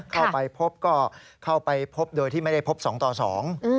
เข้าไปพบก็เข้าไปพบโดยที่ไม่ได้พบสองต่อสอง